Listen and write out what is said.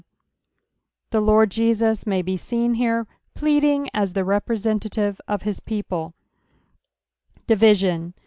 "Die Lord Jeam may be seen here pleadittg as the r^xresentoHix of Mspeople. Division.